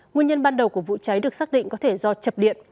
nguyên nhân ban đầu của vụ cháy được xác định có thể do chập điện